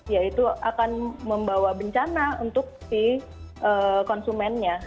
ya itu akan membawa bencana untuk si konsumennya